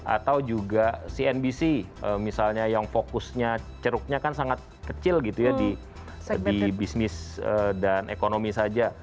atau juga cnbc misalnya yang fokusnya ceruknya kan sangat kecil gitu ya di bisnis dan ekonomi saja